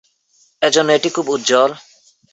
এজন্য এটি খুব উজ্জ্বল।